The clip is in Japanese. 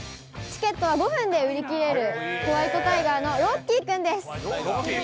チケットは５分で売り切れる、ホワイトタイガーのロッキーくんです。